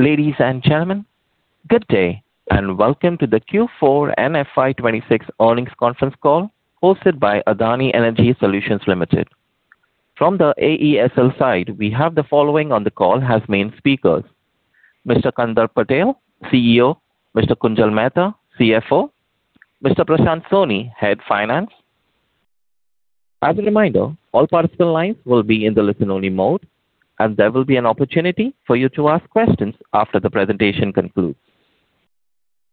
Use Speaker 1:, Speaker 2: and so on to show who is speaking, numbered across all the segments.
Speaker 1: Ladies and gentlemen, good day, and welcome to the Q4 FY 2026 earnings conference call hosted by Adani Energy Solutions Limited. From the AESL side, we have the following on the call as main speakers. Mr. Kandarp Patel, CEO, Mr. Kunjal Mehta, CFO, Mr. Prashant Soni, Head of Finance. As a reminder, all participant lines will be in the listen-only mode, and there will be an opportunity for you to ask questions after the presentation concludes.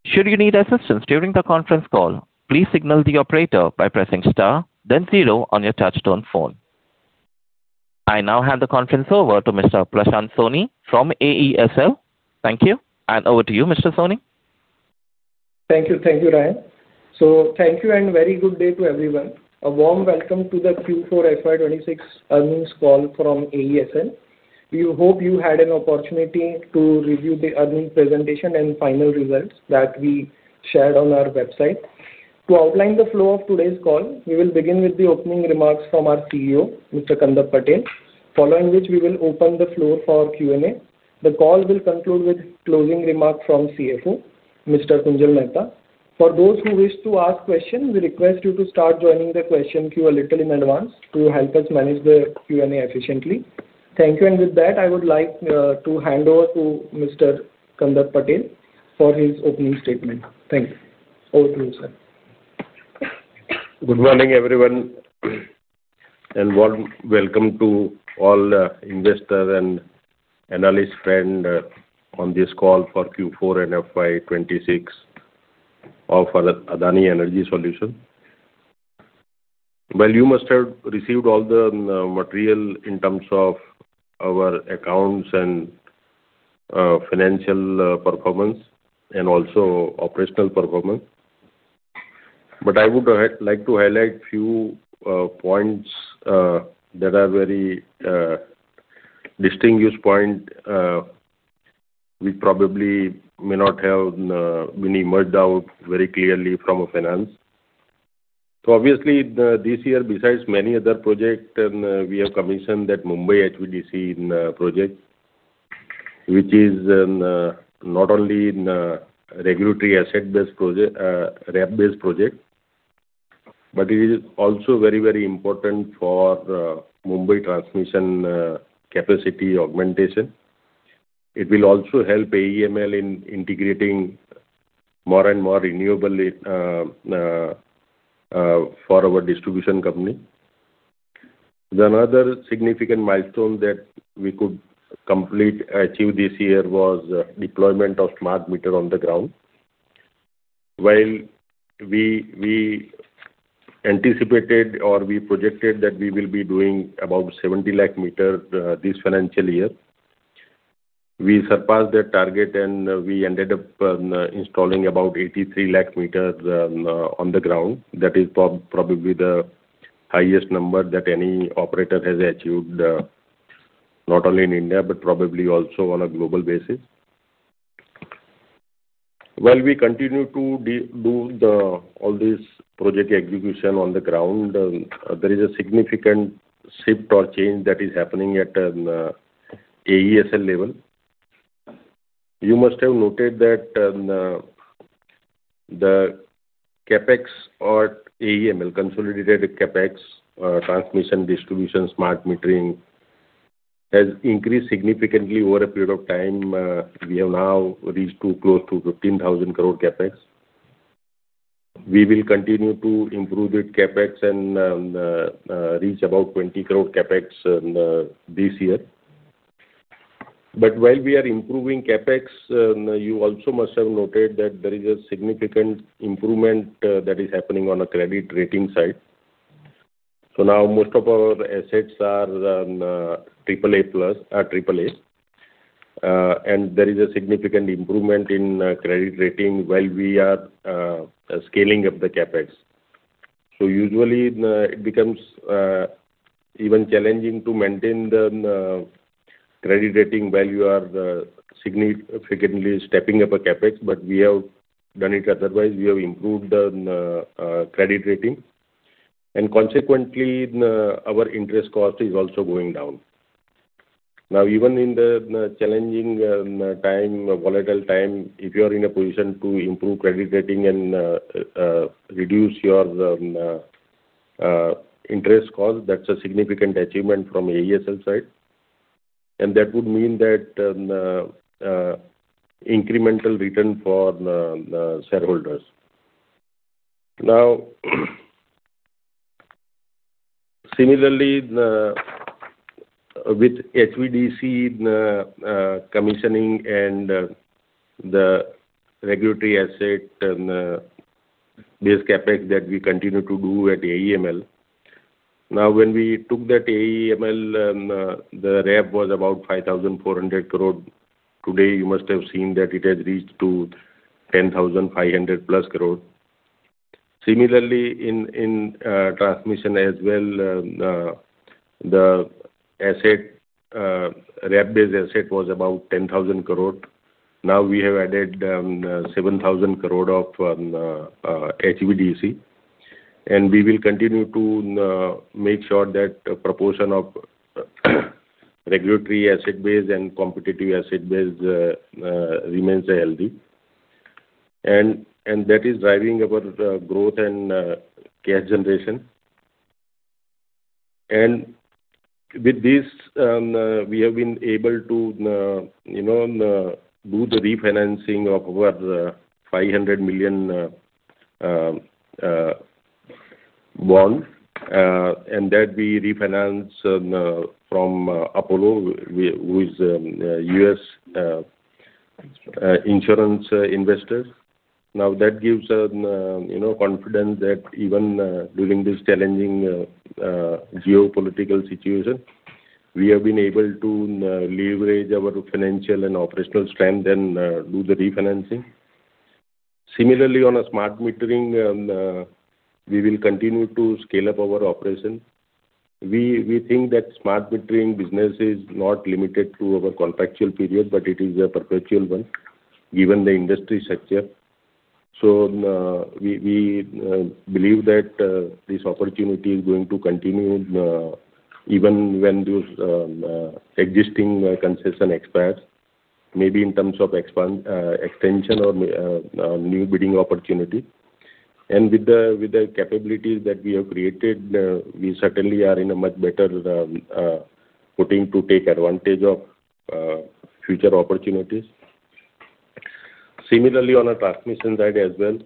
Speaker 1: Should you need assistance during the conference call, please signal the operator by pressing star then zero on your touch-tone phone. I now hand the conference over to Mr. Prashant Soni from AESL. Thank you. Over to you, Mr. Soni.
Speaker 2: Thank you, Ryan. Thank you and very good day to everyone. A warm welcome to the Q4 FY 2026 earnings call from AESL. We hope you had an opportunity to review the earnings presentation and final results that we shared on our website. To outline the flow of today's call, we will begin with the opening remarks from our CEO, Mr. Kandarp Patel, following which we will open the floor for Q&A. The call will conclude with closing remarks from CFO, Mr. Kunjal Mehta. For those who wish to ask questions, we request you to start joining the question queue a little in advance to help us manage the Q&A efficiently. Thank you. With that, I would like to hand over to Mr. Kandarp Patel for his opening statement. Thank you. Over to you, sir.
Speaker 3: Good morning, everyone, and warm welcome to all investor and analyst friend on this call for Q4 and FY 2026 of Adani Energy Solutions. Well, you must have received all the material in terms of our accounts and financial performance and also operational performance. I would like to highlight a few distinct points that we probably may not have emerged out very clearly from the financials. Obviously, this year, besides many other projects, we have commissioned that Mumbai HVDC project, which is not only regulatory asset-based project, RAP-based project, but it is also very important for Mumbai transmission capacity augmentation. It will also help AEML in integrating more and more renewables into our distribution company. Another significant milestone that we could achieve this year was deployment of smart meter on the ground. While we anticipated or we projected that we will be doing about 70 lakh meters this financial year, we surpassed that target and we ended up installing about 83 lakh meters on the ground. That is probably the highest number that any operator has achieved, not only in India, but probably also on a global basis. While we continue to do all this project execution on the ground, there is a significant shift or change that is happening at AESL level. You must have noted that the CapEx of AEML, consolidated CapEx, transmission, distribution, smart metering, has increased significantly over a period of time. We have now reached close to 15,000 crore CapEx. We will continue to improve the CapEx and reach about 20 crore CapEx this year. While we are improving CapEx, you also must have noted that there is a significant improvement that is happening on a credit rating side. Now most of our assets are AAA+ or AAA, and there is a significant improvement in credit rating while we are scaling up the CapEx. Usually, it becomes even challenging to maintain the credit rating while you are significantly stepping up a CapEx, but we have done it otherwise. We have improved on credit rating, and consequently, our interest cost is also going down. Now, even in the challenging time, volatile time, if you are in a position to improve credit rating and reduce your interest cost, that's a significant achievement from AESL side. That would mean that incremental return for shareholders. Now, similarly, with HVDC commissioning and the regulatory asset and this CapEx that we continue to do at AEML. Now, when we took that AEML, the RAB was about 5,400 crore. Today, you must have seen that it has reached to 10,500+ crore. Similarly, in transmission as well, the RAB-based asset was about 10,000 crore. Now we have added 7,000 crore of HVDC. We will continue to make sure that proportion of regulatory asset base and competitive asset base remains healthy. That is driving our growth and cash generation. With this, we have been able to do the refinancing of our $500 million bond, and that we refinance from Apollo, who is a U.S. insurance investor. Now, that gives us confidence that even during this challenging geopolitical situation, we have been able to leverage our financial and operational strength and do the refinancing. Similarly, on smart metering, we will continue to scale up our operations. We think that smart metering business is not limited to our contractual period, but it is a perpetual one, given the industry sector. We believe that this opportunity is going to continue even when those existing concession expires, maybe in terms of extension or new bidding opportunity. With the capabilities that we have created, we certainly are in a much better footing to take advantage of future opportunities. Similarly, on the transmission side as well,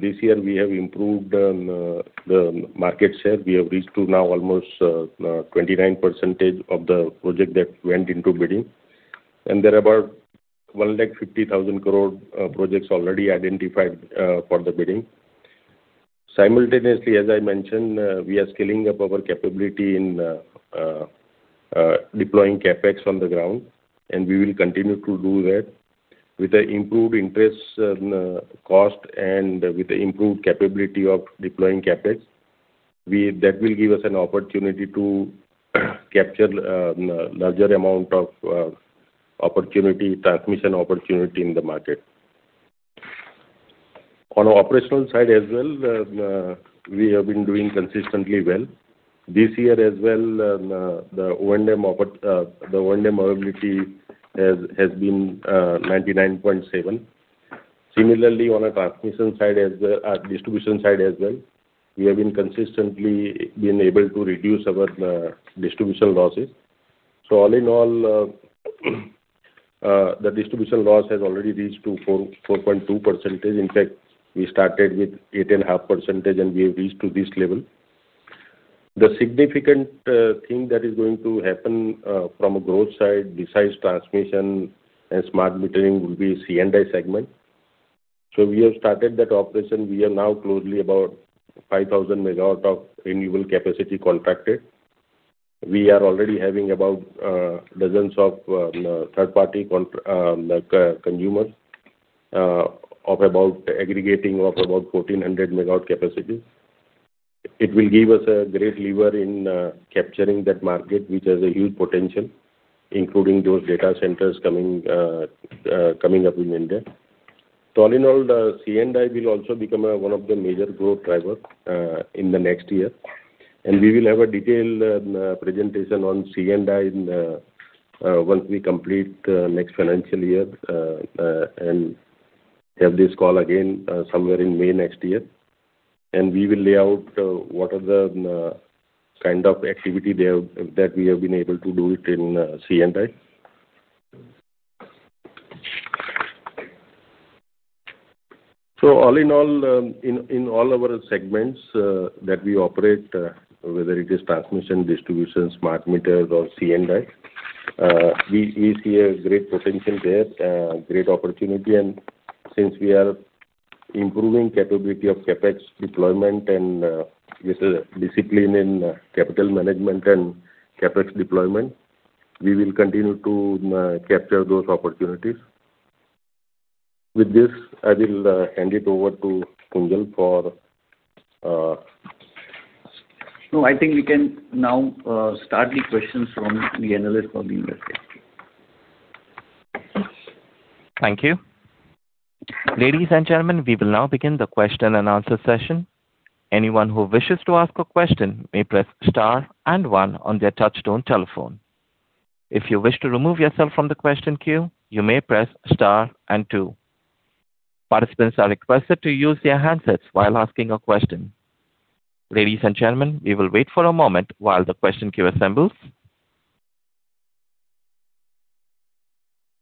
Speaker 3: this year we have improved on the market share. We have reached to now almost 29% of the project that went into bidding. There are about 150,000 crore projects already identified for the bidding. Simultaneously, as I mentioned, we are scaling up our capability in deploying CapEx on the ground, and we will continue to do that. With the improved interest cost and with the improved capability of deploying CapEx, that will give us an opportunity to capture larger amount of transmission opportunity in the market. On the operational side as well, we have been doing consistently well. This year as well, the O&M availability has been 99.7%. Similarly, on our distribution side as well, we have consistently been able to reduce our distribution losses. All in all, the distribution loss has already reached to 4.2%. In fact, we started with 8.5%, and we have reached to this level. The significant thing that is going to happen from a growth side, besides transmission and smart metering, will be C&I segment. We have started that operation. We are now close to about 5,000 MW of renewable capacity contracted. We are already having about dozens of third-party consumers aggregating about 1,400 MW capacity. It will give us a great lever in capturing that market, which has a huge potential, including those data centers coming up in India. All in all, C&I will also become one of the major growth drivers in the next year. We will have a detailed presentation on C&I once we complete next financial year, and have this call again somewhere in May next year. We will lay out what are the kind of activity there that we have been able to do it in C&I. All in all, in all our segments that we operate, whether it is transmission, distribution, smart meters, or C&I, we see a great potential there, great opportunity. Since we are improving capability of CapEx deployment and with a discipline in capital management and CapEx deployment, we will continue to capture those opportunities. No, I think we can now start the questions from the analysts or the investors.
Speaker 1: Thank you. Ladies and gentlemen, we will now begin the question and answer session. Anyone who wishes to ask a question may press star and one on their touchtone telephone. If you wish to remove yourself from the question queue, you may press star and two. Participants are requested to use their handsets while asking a question. Ladies and gentlemen, we will wait for a moment while the question queue assembles.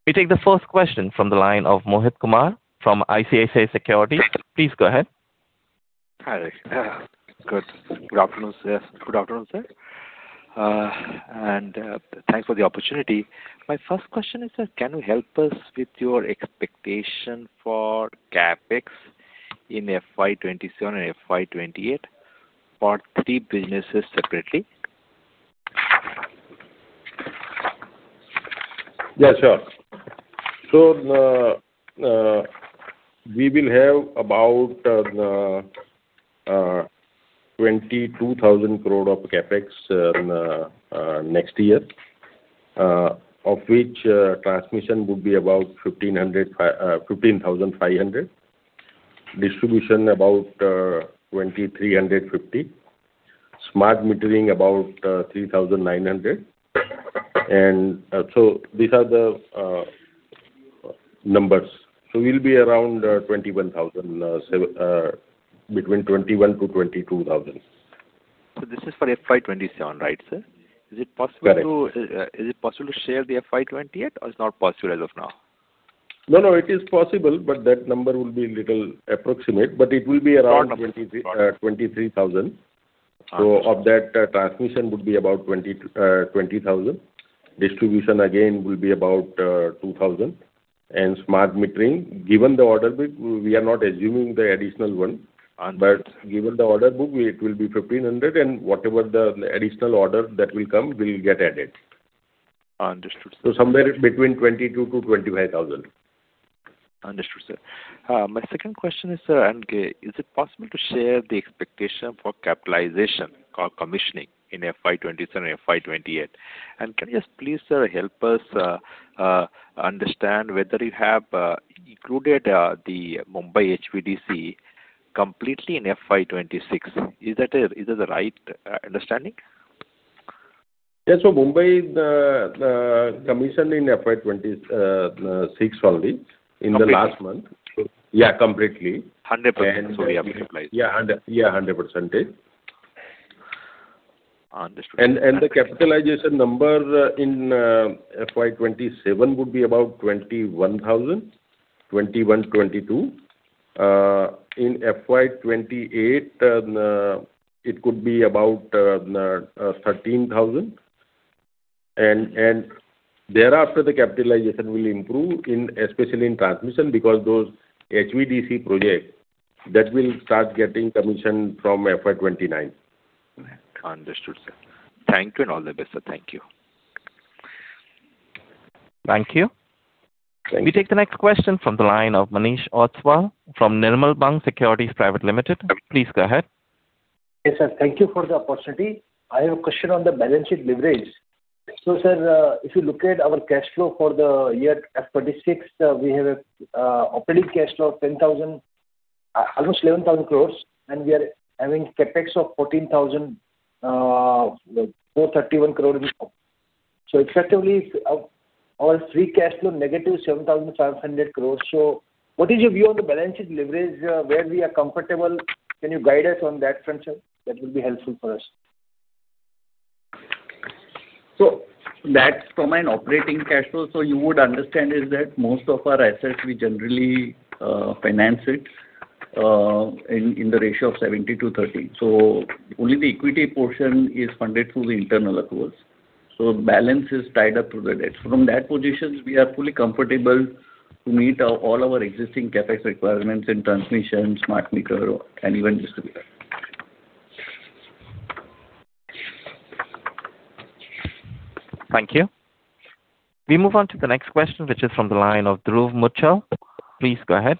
Speaker 1: We take the first question from the line of Mohit Kumar from ICICI Securities. Please go ahead.
Speaker 4: Hi. Good afternoon, sir. Thanks for the opportunity. My first question is, can you help us with your expectation for CapEx in FY 2027 and FY 2028 for three businesses separately?
Speaker 3: Yeah, sure. We will have about 22,000 crore of CapEx next year. Of which transmission would be about 15,500. Distribution about 2,350. Smart metering about 3,900. These are the numbers. We'll be around 21,000, between 21,000-22,000.
Speaker 4: This is for FY 2027, right, sir?
Speaker 3: Correct.
Speaker 4: Is it possible to share the FY 2028 or it's not possible as of now?
Speaker 3: No, no, it is possible, but that number will be little approximate, but it will be around 23,000.
Speaker 4: Okay.
Speaker 3: Of that, transmission would be about 20,000. Distribution again will be about 2,000. Smart metering, given the order book, we are not assuming the additional one. Given the order book, it will be 1,500 and whatever the additional order that will come will get added.
Speaker 4: Understood, sir.
Speaker 3: Somewhere between 22,000- 25,000.
Speaker 4: Understood, sir. My second question is, sir, is it possible to share the expectation for capitalization or commissioning in FY 2027 or FY 2028? Can you please, sir, help us understand whether you have included the Mumbai HVDC completely in FY 2026? Is that the right understanding?
Speaker 3: Yes. Mumbai commissioned in FY 2026 already.
Speaker 4: Okay.
Speaker 3: In the last month. Yeah, completely.
Speaker 4: 100% fully utilized.
Speaker 3: Yeah, 100%.
Speaker 4: Understood.
Speaker 3: The capitalization number in FY 2027 would be about 21,000-22,000. In FY 2028, it could be about 13,000. Thereafter, the capitalization will improve especially in transmission because those HVDC projects that will start getting commissioned from FY 2029.
Speaker 4: Understood, sir. Thank you and all the best, sir. Thank you.
Speaker 1: Thank you. We take the next question from the line of Manish Ostwal from Nirmal Bang Securities Private Limited. Please go ahead.
Speaker 5: Yes, sir. Thank you for the opportunity. I have a question on the balance sheet leverage. Sir, if you look at our cash flow for the year FY 2026, we have operating cash flow almost 11,000 crore, and we are having CapEx of 14,431 crore. Effectively, our free cash flow negative 7,500 crore. What is your view on the balance sheet leverage, where we are comfortable? Can you guide us on that front, sir? That will be helpful for us.
Speaker 6: That's from an operating cash flow. You would understand is that most of our assets, we generally finance it in the ratio of 70:30. Only the equity portion is funded through the internal accruals. Balance is tied up through the debt. From that position, we are fully comfortable to meet all our existing CapEx requirements in transmission, Smart meter, and even distribution.
Speaker 1: Thank you. We move on to the next question, which is from the line of Dhruv Muchhal. Please go ahead.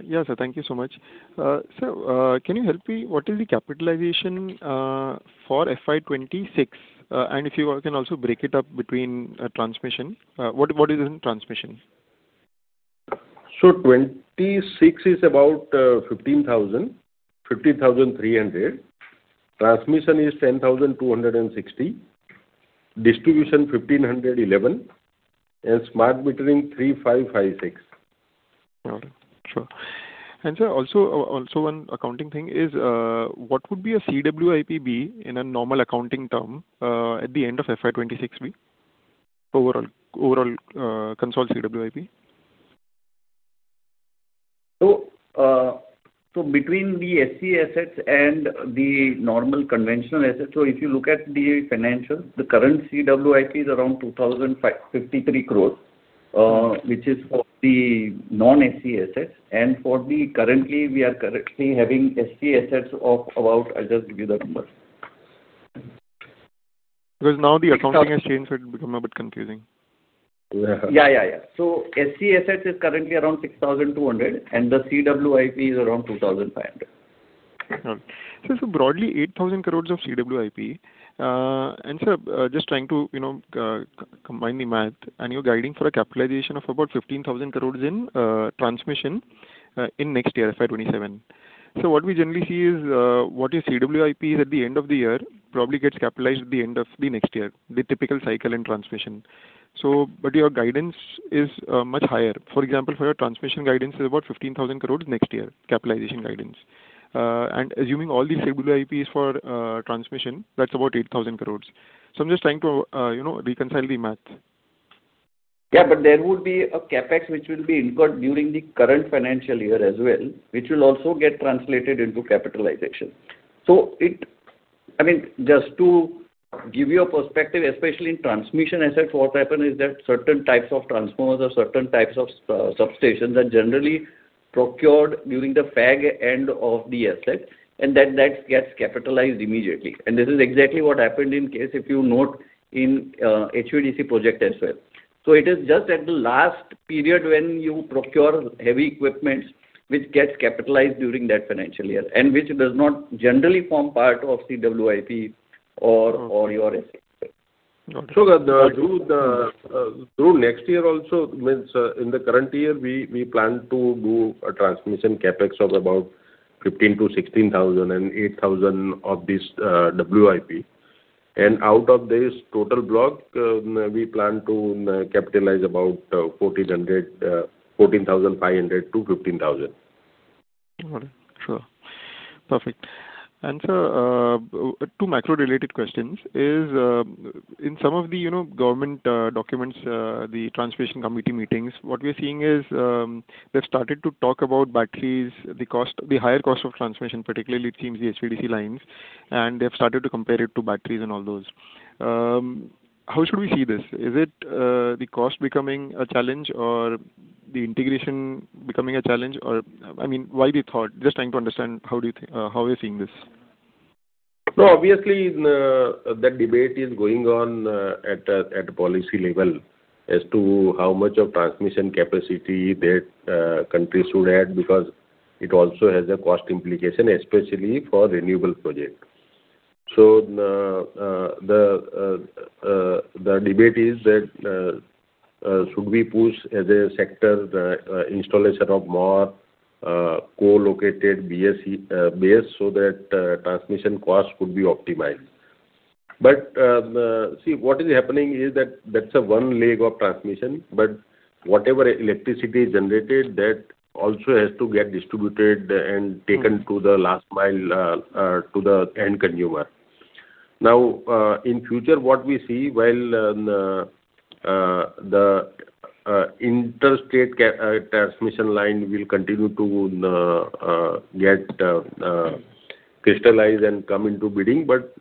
Speaker 7: Yes, sir. Thank you so much. Sir, can you help me? What is the capitalization for FY 2026? If you can also break it up between transmission. What is in transmission?
Speaker 6: FY 2026 is about 15,000, 15,300. Transmission is 10,260. Distribution 1,511, and Smart metering 3,556.
Speaker 7: All right. Sure. Sir, also one accounting thing is, what would a CWIP be in a normal accounting term at the end of FY 2026? Overall consolidated CWIP.
Speaker 6: Between the SCA assets and the normal conventional assets, if you look at the financials, the current CWIP is around 2,053 crore, which is for the non-SCA assets, and we are currently having SCA assets of about. I'll just give you the numbers.
Speaker 7: Because now the accounting has changed, so it's become a bit confusing.
Speaker 6: SCA assets is currently around 6,200, and the CWIP is around 2,500.
Speaker 7: Got it. Broadly 8,000 crore of CWIP. Sir, just trying to combine the math, and you're guiding for a capitalization of about 15,000 crore in transmission in next year, FY 2027. What we generally see is, what is CWIP at the end of the year probably gets capitalized at the end of the next year, the typical cycle in transmission. Your guidance is much higher. For example, your transmission guidance is about 15,000 crore next year, capitalization guidance. Assuming all the CWIP is for transmission, that's about 8,000 crore. I'm just trying to reconcile the math.
Speaker 6: Yeah, there would be a CapEx which will be incurred during the current financial year as well, which will also get translated into capitalization. Just to give you a perspective, especially in transmission assets, what happen is that certain types of transformers or certain types of substations are generally procured during the fag end of the asset, and then that gets capitalized immediately. This is exactly what happened in case if you note in HVDC project as well. It is just at the last period when you procure heavy equipment, which gets capitalized during that financial year, and which does not generally form part of CWIP or your.
Speaker 3: Through next year also, in the current year, we plan to do a transmission CapEx of about 15,000-16,000 and 8,000 of this CWIP. Out of this total block, we plan to capitalize about 14,500-15,000.
Speaker 7: Got it. Sure. Perfect. Sir, two macro related questions is, in some of the government documents, the transmission committee meetings, what we are seeing is, they have started to talk about batteries, the higher cost of transmission, particularly it seems the HVDC lines, and they have started to compare it to batteries and all those. How should we see this? Is it the cost becoming a challenge or the integration becoming a challenge? Just trying to understand how you're seeing this.
Speaker 3: No, obviously, that debate is going on at policy level as to how much of transmission capacity that countries should add because it also has a cost implication, especially for renewable projects. The debate is that, should we push, as a sector, the installation of more co-located BESS so that transmission costs could be optimized. See, what is happening is that that's a one leg of transmission, but whatever electricity is generated, that also has to get distributed and taken to the last mile to the end consumer. Now, in future, what we see, while the interstate transmission line will continue to get crystallized and come into bidding, but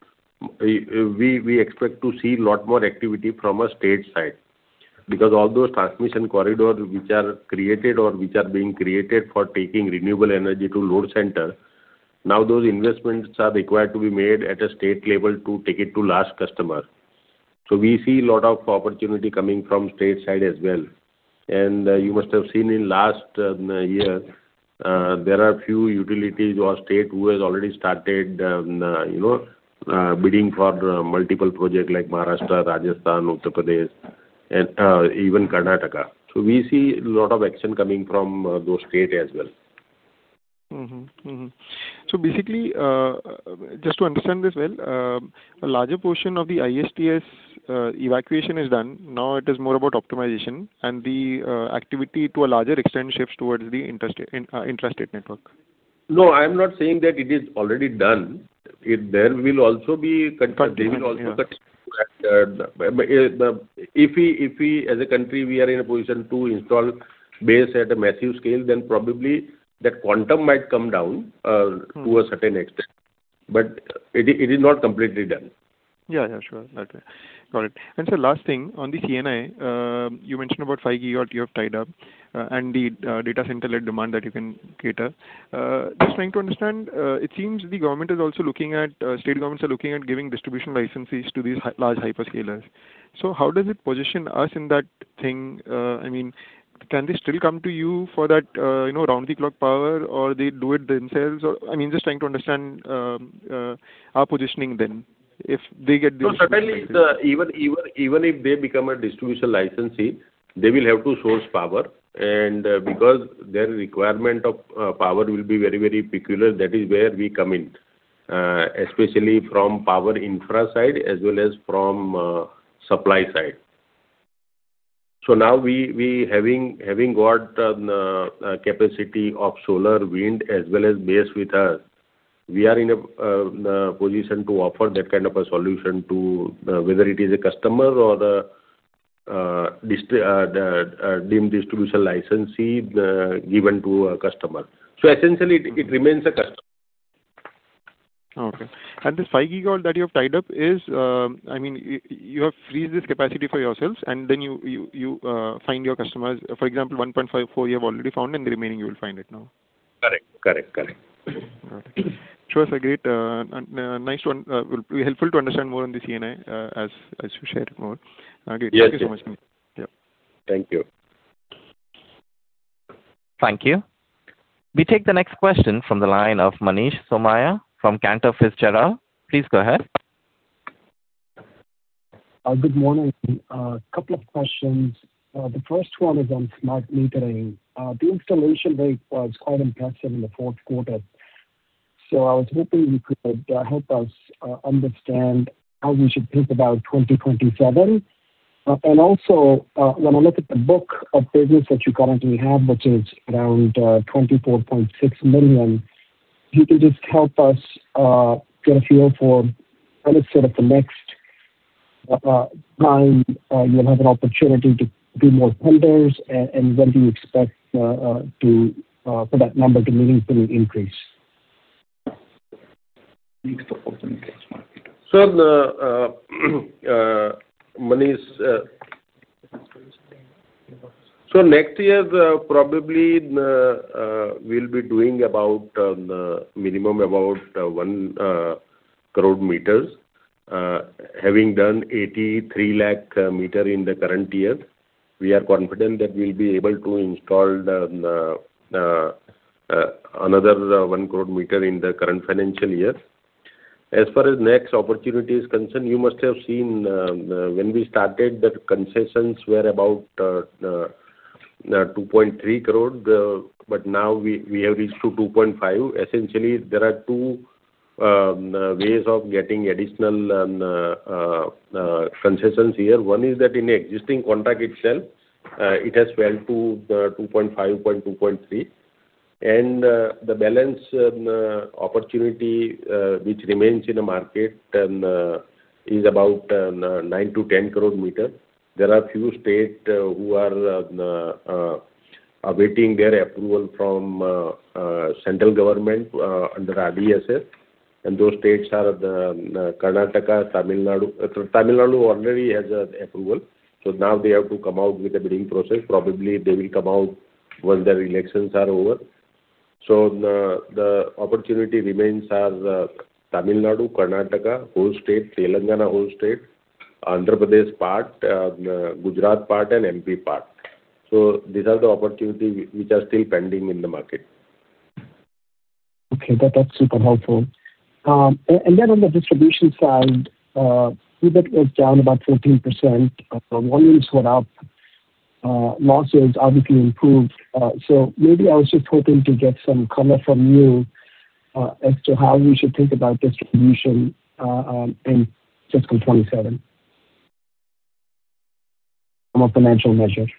Speaker 3: we expect to see lot more activity from a state side. Because all those transmission corridors which are created or which are being created for taking renewable energy to load center, now those investments are required to be made at a state level to take it to last customer. We see lot of opportunity coming from state side as well. You must have seen in last year, there are few utilities or state who has already started bidding for multiple projects like Maharashtra, Rajasthan, Uttar Pradesh and even Karnataka. We see lot of action coming from those state as well.
Speaker 7: Basically, just to understand this well, a larger portion of the ISTS evacuation is done. Now it is more about optimization and the activity to a larger extent shifts towards the intrastate network.
Speaker 3: No, I'm not saying that it is already done.
Speaker 7: Continuing, yeah.
Speaker 3: If we, as a country, are in a position to install BESS at a massive scale, then probably that quantum might come down to a certain extent. It is not completely done.
Speaker 7: Yeah. Sure. Got it. Sir, last thing. On the C&I, you mentioned about 5 GW or you have tied up and the data center load demand that you can cater. Just trying to understand, it seems the state governments are looking at giving distribution licenses to these large hyperscalers. So how does it position us in that thing? Can they still come to you for that round the clock power or they do it themselves? Just trying to understand our positioning then if they get the distribution license.
Speaker 3: Certainly, even if they become a distribution licensee, they will have to source power, and because their requirement of power will be very peculiar, that is where we come in, especially from power infra side as well as from supply side. Now we, having got capacity of solar, wind as well as BESS with us, we are in a position to offer that kind of a solution, whether it is a customer or the distribution licensee given to a customer. Essentially, it remains a customer.
Speaker 7: Okay. This 5 GW that you have tied up is, you have freed this capacity for yourselves, and then you find your customers. For example, 1.54 GW you have already found, and the remaining you will find it now.
Speaker 3: Correct.
Speaker 7: Got it. Sure sir, great. Helpful to understand more on the C&I as you shared more.
Speaker 3: Yes, yes.
Speaker 7: Okay. Thank you so much.
Speaker 3: Thank you.
Speaker 1: Thank you. We take the next question from the line of Manish Somaiya from Cantor Fitzgerald. Please go ahead.
Speaker 8: Good morning. A couple of questions. The first one is on smart metering. The installation rate was quite impressive in the fourth quarter. I was hoping you could help us understand how we should think about 2027. When I look at the book of business that you currently have, which is around 24.6 million, if you could just help us get a feel for when is sort of the next time you'll have an opportunity to do more tenders and when do you expect for that number to meaningfully increase?
Speaker 3: Next opportunity, Smart meter. Manish. Next year, probably, we'll be doing minimum about 1.5 crore meters. Having done 83 lakh meters in the current year, we are confident that we'll be able to install another 1 crore meters in the current financial year. As far as next opportunity is concerned, you must have seen when we started that concessions were about 2.3 crore, but now we have reached to 2.5 crore. Essentially, there are two ways of getting additional concessions here. One is that in existing contract itself, it has swelled to 2.5 crore, 2.3 crore. The balance opportunity which remains in the market is about 9-10 crore meters. There are a few states who are awaiting their approval from central government under RDSS, and those states are Karnataka, Tamil Nadu. Tamil Nadu already has an approval, so now they have to come out with a bidding process. Probably they will come out once the elections are over. The opportunity remains are Tamil Nadu, Karnataka whole state, Telangana whole state, Andhra Pradesh part, Gujarat part, and MP part. These are the opportunity which are still pending in the market.
Speaker 8: Okay. That's super helpful. On the distribution side, EBITDA was down about 14%, volumes were up, losses obviously improved. Maybe I was just hoping to get some color from you as to how we should think about distribution in fiscal 2027. Some of the financial measures.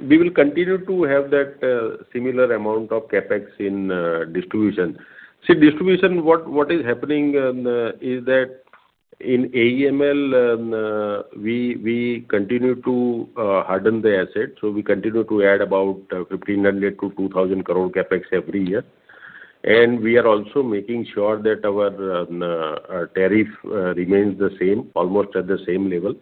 Speaker 3: We will continue to have that similar amount of CapEx in distribution. See, distribution, what is happening is that in AEML, we continue to harden the asset. We continue to add about 1,500-2,000 crore CapEx every year. We are also making sure that our tariff remains the same, almost at the same level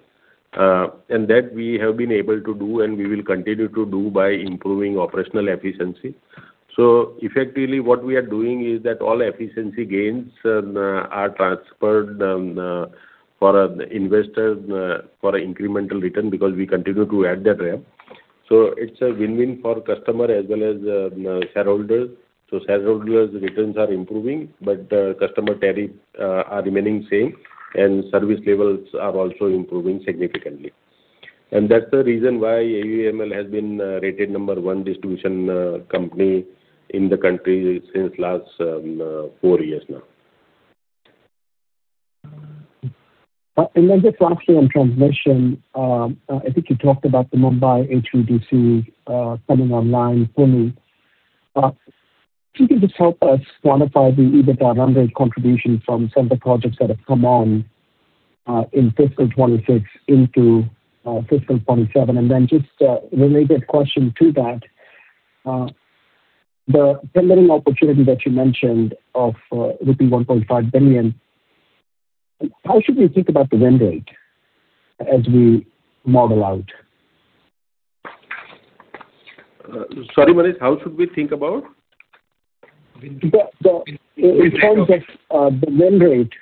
Speaker 3: that we have been able to do, and we will continue to do by improving operational efficiency. Effectively what we are doing is that all efficiency gains are transferred for investor for incremental return because we continue to add that RAB. It's a win-win for customer as well as shareholders. Shareholders returns are improving, but customer tariff are remaining same and service levels are also improving significantly. That's the reason why AEML has been rated number one distribution company in the country since last four years now.
Speaker 8: Just lastly on transmission, I think you talked about the Mumbai HVDC coming online fully. Could you just help us quantify the EBITDA run rate contribution from some of the projects that have come on in FY 2026 into FY 2027? Just a related question to that, the tendering opportunity that you mentioned of rupee 1.5 billion, how should we think about the win rate as we model out?
Speaker 3: Sorry, Manish, how should we think about?
Speaker 8: In terms of the win rate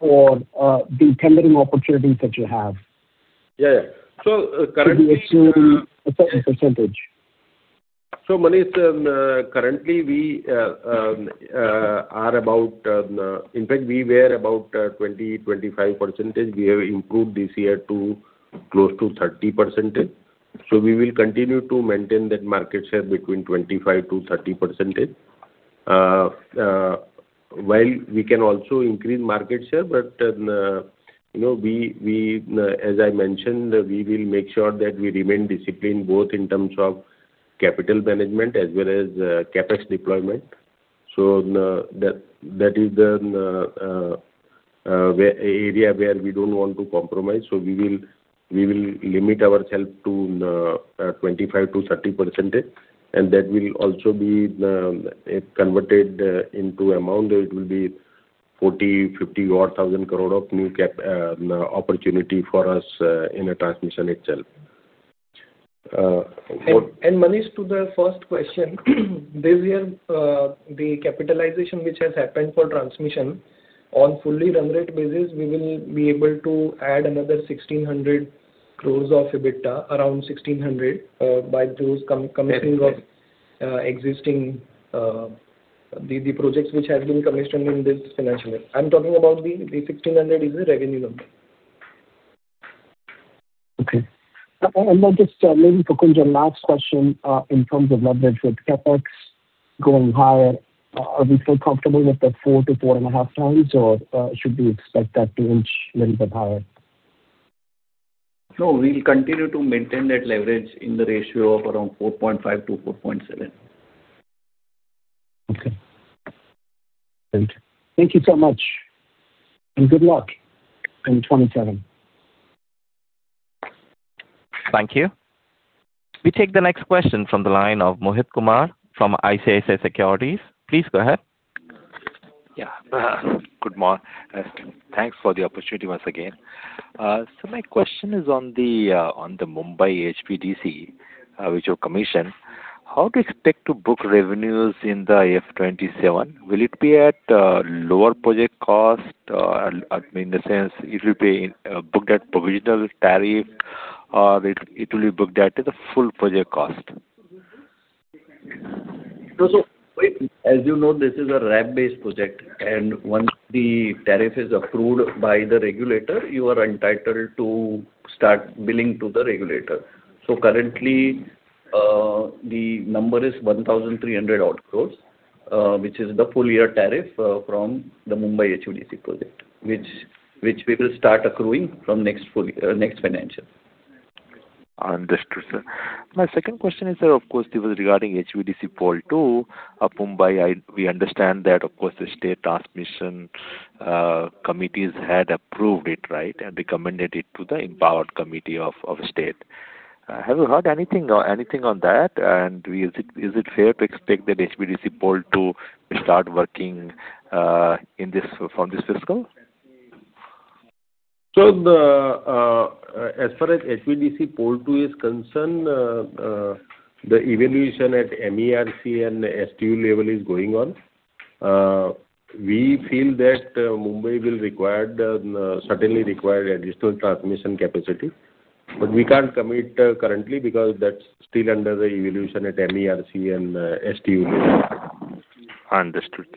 Speaker 8: for the tendering opportunities that you have.
Speaker 3: Currently.
Speaker 8: Are we assuming a certain percentage?
Speaker 3: Manish, currently we were about 20%-25%. We have improved this year to close to 30%. We will continue to maintain that market share between 25%-30%. While we can also increase market share, but as I mentioned, we will make sure that we remain disciplined, both in terms of capital management as well as CapEx deployment. That is the area where we don't want to compromise. We will limit ourselves to 25%-30%, and that will also be converted into amount. It will be 40,000-50,000 crore of new opportunity for us in the transmission itself.
Speaker 2: Manish, to the first question. This year, the capitalization which has happened for transmission, on fully run rate basis, we will be able to add another 1,600 crore of EBITDA, around 1,600 crore, by the commissioning of the projects which has been commissioned in this financial year. I'm talking about the 1,600 crore is a revenue number.
Speaker 8: Okay. Just maybe, Kunjal, last question, in terms of leverage with CapEx going higher, are we still comfortable with the 4x-4.5x, or should we expect that to inch little bit higher?
Speaker 6: No, we'll continue to maintain that leverage in the ratio of around 4.5x to 4.7x.
Speaker 8: Okay. Great. Thank you so much, and good luck in 2027.
Speaker 1: Thank you. We take the next question from the line of Mohit Kumar from ICICI Securities. Please go ahead.
Speaker 4: Yeah. Good morning. Thanks for the opportunity once again. My question is on the Mumbai HVDC, which you commissioned. How do you expect to book revenues in the FY 2027? Will it be at lower project cost? In the sense, it will be booked at provisional tariff, or it will be booked at the full project cost?
Speaker 3: As you know, this is a RAB-based project, and once the tariff is approved by the regulator, you are entitled to start billing to the regulator. Currently, the number is 1,300 crore, which is the full year tariff from the Mumbai HVDC project, which we will start accruing from next financial.
Speaker 4: Understood, sir. My second question is, of course, it was regarding HVDC Pole Two of Mumbai. We understand that, of course, the state transmission committees had approved it, right, and recommended it to the empowered committee of state. Have you heard anything on that, and is it fair to expect that HVDC Pole Two will start working from this fiscal?
Speaker 3: As far as HVDC Pole Two is concerned, the evaluation at MERC and STU level is going on. We feel that Mumbai will certainly require additional transmission capacity. We can't commit currently because that's still under the evaluation at MERC and STU level.
Speaker 4: Understood.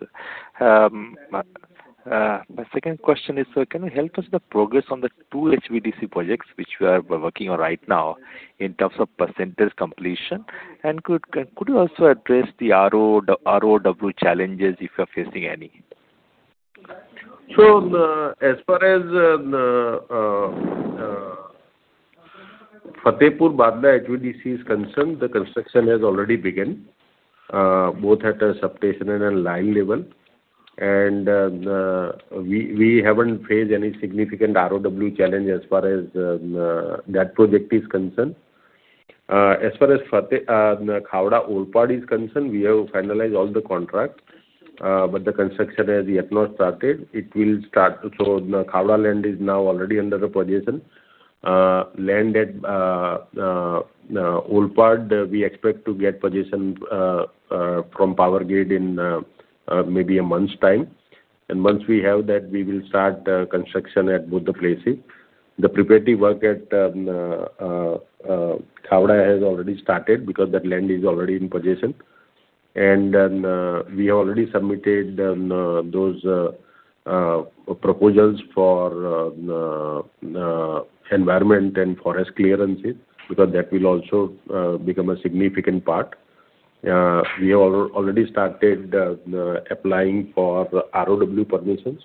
Speaker 4: My second question is, sir, can you help us with the progress on the two HVDC projects which we are working on right now in terms of percentage completion? And could you also address the ROW challenges if you are facing any?
Speaker 3: As far as Fatehpur-Bhadla HVDC is concerned, the construction has already begun, both at a substation and a line level. We haven't faced any significant ROW challenge as far as that project is concerned. As far as Khavda-Olpad is concerned, we have finalized all the contracts, but the construction has yet not started. It will start. Khavda land is now already under the possession. Land at Olpad, we expect to get possession from Power Grid in maybe a month's time. Once we have that, we will start construction at both the places. The preparatory work at Khavda has already started because that land is already in possession. Then we have already submitted those proposals for environment and forest clearances, because that will also become a significant part. We have already started applying for ROW permission.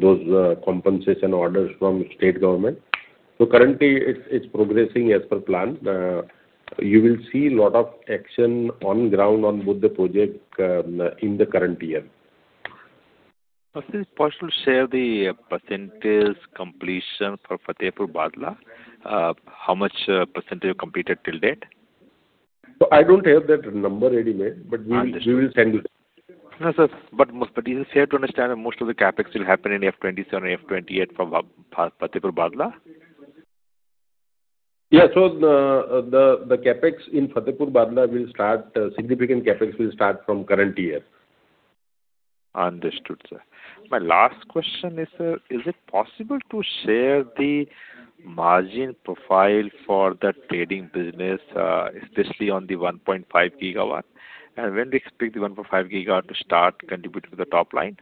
Speaker 3: Those compensation orders from state government. Currently it's progressing as per plan. You will see lot of action on ground on both the project in the current year.
Speaker 4: Sir, is it possible to share the percentage completion for Fatehpur-Bhadla? How much percentage you completed till date?
Speaker 3: I don't have that number ready, mate, but we will send you.
Speaker 4: No, sir. Is it fair to understand that most of the CapEx will happen in FY 2027 or FY 2028 for Fatehpur-Bhadla?
Speaker 3: Yeah. The CapEx in Fatehpur-Bhadla will start, significant CapEx will start from current year.
Speaker 4: Understood, sir. My last question is it possible to share the margin profile for the trading business, especially on the 1.5 GW? And when do you expect the 1.5 GW to start contributing to the top line?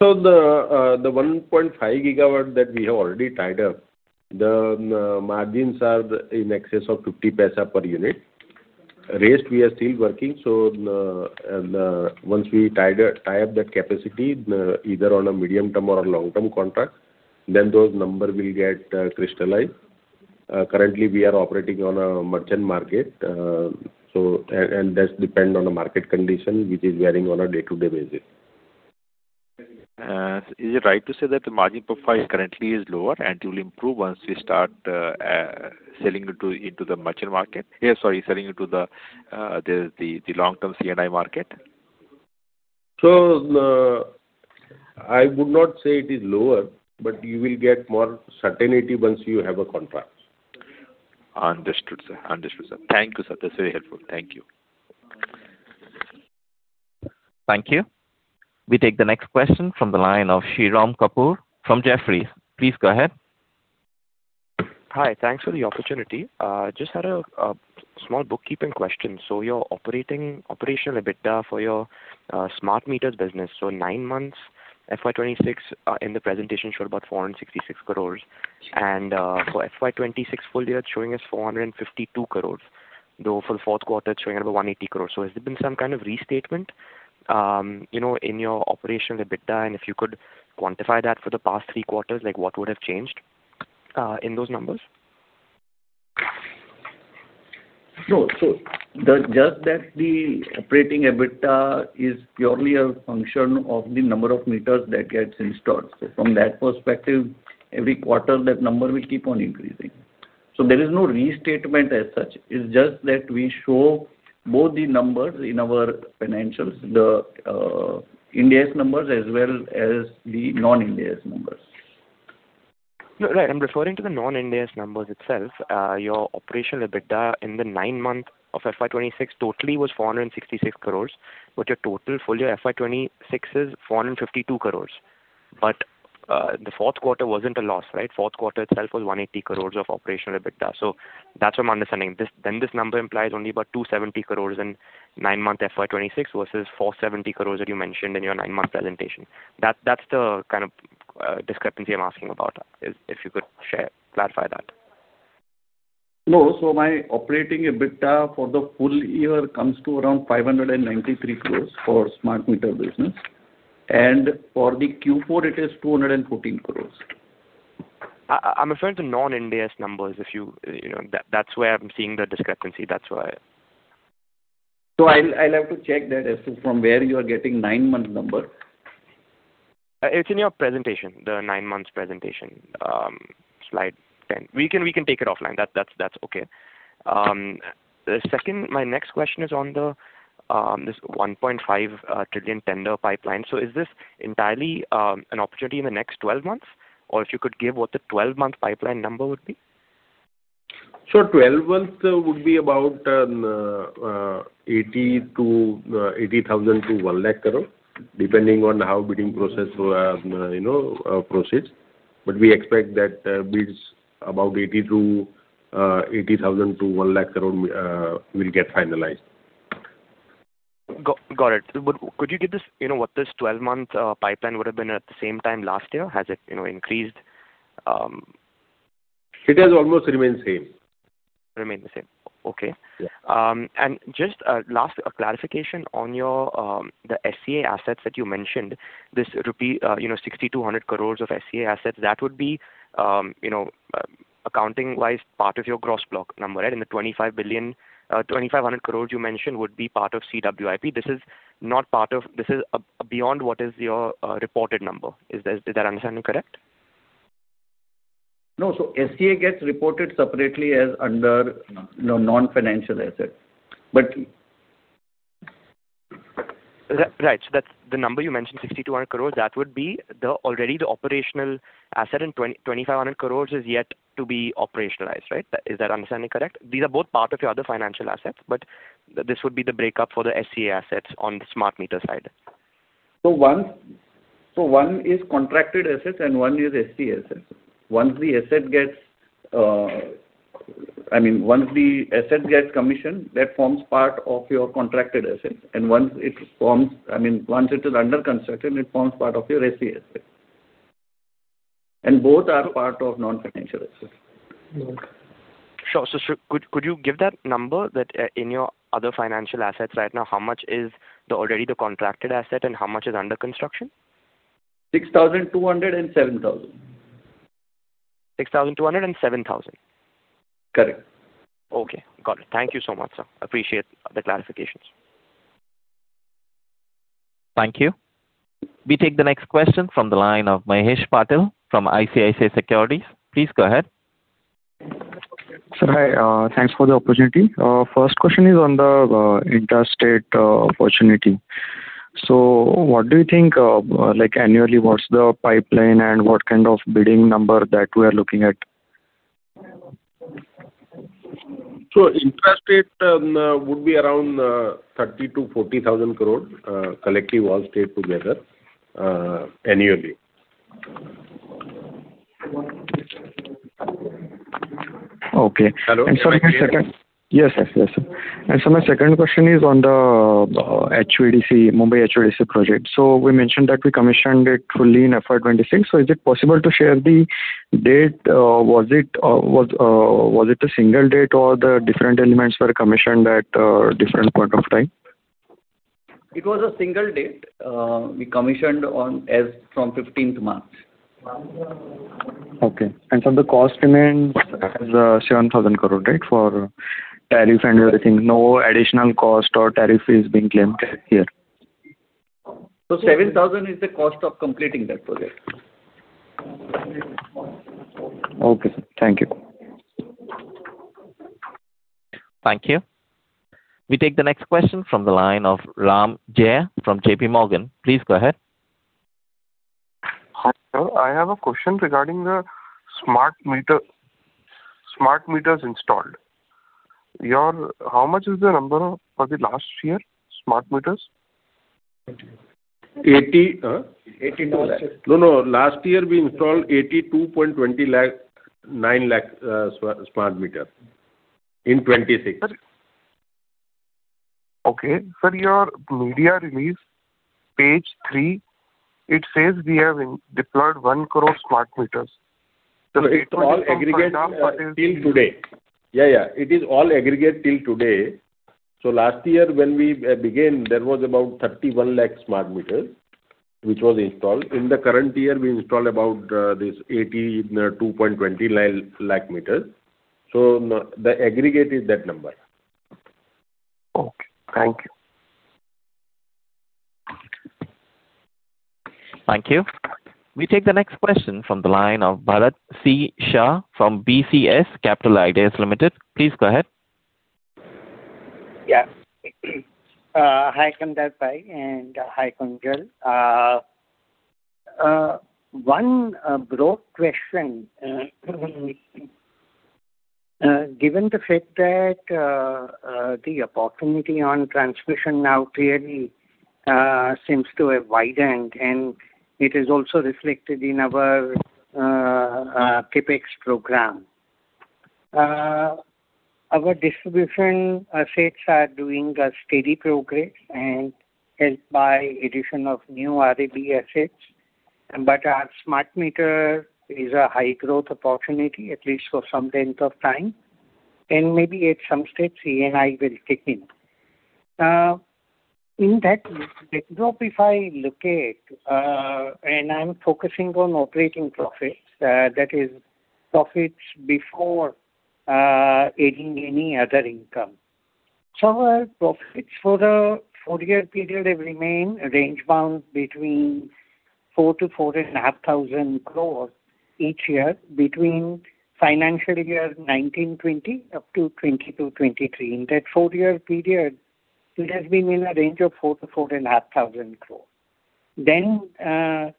Speaker 3: The 1.5 GW that we have already tied up, the margins are in excess of 0.50 per unit. Rest, we are still working. Once we tie up that capacity, either on a medium-term or a long-term contract, then those number will get crystallized. Currently, we are operating on a merchant market, and that depends on the market condition, which is varying on a day-to-day basis.
Speaker 4: Is it right to say that the margin profile currently is lower and it will improve once we start selling into the merchant market? Sorry, selling into the long-term C&I market.
Speaker 3: I would not say it is lower, but you will get more certainty once you have a contract.
Speaker 4: Understood, sir. Thank you, sir. That's very helpful. Thank you.
Speaker 1: Thank you. We take the next question from the line of Shirom Kapoor from Jefferies. Please go ahead.
Speaker 9: Hi. Thanks for the opportunity. Just had a small bookkeeping question. Your operational EBITDA for your Smart meter business. Nine months FY 2026 in the presentation showed about 466 crore, and for FY 2026 full year, it's showing us 452 crore, though for the fourth quarter, it's showing about 180 crore. Has there been some kind of restatement in your operational EBITDA? And if you could quantify that for the past three quarters, like what would have changed in those numbers?
Speaker 6: No. Just that the operating EBITDA is purely a function of the number of meters that gets installed. From that perspective, every quarter that number will keep on increasing. There is no restatement as such. It's just that we show both the numbers in our financials, the Ind AS numbers as well as the non-Ind AS numbers.
Speaker 9: No, right. I'm referring to the non-Ind AS numbers itself. Your operational EBITDA in the nine months of FY 2026 totally was 466 crore, but your total full year FY 2026 is 452 crore. The fourth quarter wasn't a loss, right? Fourth quarter itself was 180 crore of operational EBITDA. That's what I'm understanding. This number implies only about 270 crore in nine-month FY 2026 versus 470 crore that you mentioned in your nine-month presentation. That's the kind of discrepancy I'm asking about, if you could clarify that.
Speaker 6: No. My operating EBITDA for the full year comes to around 593 crore for smart meter business. For the Q4 it is 214 crore.
Speaker 9: I'm referring to non-Ind AS numbers. That's where I'm seeing the discrepancy.
Speaker 6: I'll have to check that as to from where you are getting nine-month number.
Speaker 9: It's in your presentation, the nine months presentation, slide 10.
Speaker 6: We can take it offline.
Speaker 9: That's okay. My next question is on this 1.5 trillion tender pipeline. Is this entirely an opportunity in the next 12 months? Or if you could give what the 12-month pipeline number would be?
Speaker 3: 12 months would be about 80,000-100,000 crore, depending on how bidding process proceeds. We expect that bids about 80,000-100,000 crore will get finalized.
Speaker 9: Got it. Could you give what this 12-month pipeline would have been at the same time last year? Has it increased?
Speaker 6: It has almost remained same.
Speaker 9: Remained the same. Okay.
Speaker 6: Yeah.
Speaker 9: Just last clarification on the SCA assets that you mentioned, this 6,200 crore of SCA assets, that would be accounting-wise part of your gross block number, right? In the 2,500 crore you mentioned would be part of CWIP. This is beyond what is your reported number. Is that understanding correct?
Speaker 6: No, SCA gets reported separately as under non-financial asset.
Speaker 9: Right. The number you mentioned, 6,200 crore, that would be already the operational asset and 2,500 crore is yet to be operationalized, right? Is that understanding correct? These are both part of your other financial assets, but this would be the breakup for the SCA assets on the Smart meter side.
Speaker 6: One is contracted assets and one is SCA assets. Once the asset gets commissioned, that forms part of your contracted assets. Once it is under construction, it forms part of your SCA assets. Both are part of non-financial assets.
Speaker 9: Sure. Could you give that number, in your other financial assets right now, how much is already the contracted asset and how much is under construction?
Speaker 6: 6,200 and 7,000.
Speaker 9: 6,200 and 7,000.
Speaker 6: Correct.
Speaker 9: Okay, got it. Thank you so much, sir. Appreciate the clarifications.
Speaker 1: Thank you. We take the next question from the line of Mahesh Patil from ICICI Securities. Please go ahead.
Speaker 10: Sir, hi. Thanks for the opportunity. First question is on the intrastate opportunity. What do you think, annually, what's the pipeline and what kind of bidding number that we are looking at?
Speaker 3: Intrastate would be around 30,000 crore-40,000 crore, collectively all states together, annually.
Speaker 10: Okay.
Speaker 3: Hello.
Speaker 10: My second question is on the Mumbai HVDC project. We mentioned that we commissioned it fully in FY 2026. Is it possible to share the date? Was it a single date or the different elements were commissioned at different point of time?
Speaker 6: It was a single date. We commissioned from 15th March.
Speaker 10: Okay. The cost remains 7,000 crore, right, for tariff and everything. No additional cost or tariff is being claimed here.
Speaker 6: 7,000 is the cost of completing that project.
Speaker 10: Okay, sir. Thank you.
Speaker 1: Thank you. We take the next question from the line of Arun Jayaram from JPMorgan. Please go ahead.
Speaker 11: Hi there. I have a question regarding the Smart meters installed. How much is the number for the last year, Smart meters?
Speaker 3: 80 lakh.
Speaker 11: 82 lakh.
Speaker 3: No, no. Last year we installed 82.29 lakh Smart meters in 2026.
Speaker 11: Okay. Sir, your media release, page three, it says we have deployed 1 crore Smart meters.
Speaker 3: No, it's all aggregate till today. Yeah. Last year when we began, there was about 31 lakh Smart meters which was installed. In the current year, we installed about 82.20 lakh Smart meters. The aggregate is that number.
Speaker 11: Okay. Thank you.
Speaker 1: Thank you. We take the next question from the line of Bharat Shah from BCS Capital Ideas Limited. Please go ahead.
Speaker 12: Yeah. Hi, Kandarp, and hi, Kunjal. One broad question. Given the fact that the opportunity on transmission now clearly seems to have widened, and it is also reflected in our CapEx program. Our distribution assets are doing a steady progress and helped by addition of new RAB assets. Our Smart meter is a high growth opportunity, at least for some length of time. Maybe at some stage, C&I will kick in. In that backdrop, if I look at, and I'm focusing on operating profits, that is profits before adding any other income. Our profits for the four-year period have remained range bound between 4,000 crore-4,500 crore each year between financial year 2019-2020 up to 2022-2023. In that four-year period, it has been in a range of 4,000 crore-4,500 crore.